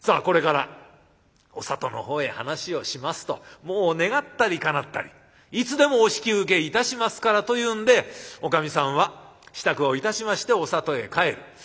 これからお里の方へ話をしますともう願ったりかなったりいつでもお引き受けいたしますからというんでおかみさんは支度をいたしましてお里へ帰る。